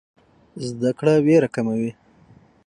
زده کړه ویره کموي.